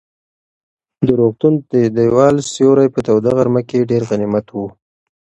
د روغتون د دېوال سیوری په توده غرمه کې ډېر غنیمت و.